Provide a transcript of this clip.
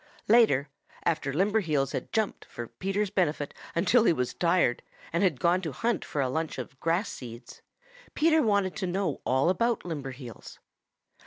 Later, after Limberheels had jumped for Peter's benefit until he was tired and had gone to hunt for a lunch of grass seeds, Peter wanted to know all about Limberheels.